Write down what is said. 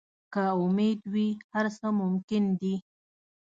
که امید وي، هر څه ممکن دي.